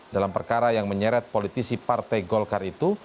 dalam perkara yang menyeret politisi partai golkar itu